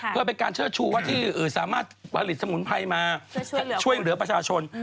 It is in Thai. เพื่อเป็นการเชิดชูว่าที่สามารถผลิตสมุนไพรมาช่วยเหลือประชาชน